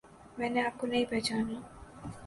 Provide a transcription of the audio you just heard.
میں نے آپ کو نہیں پہچانا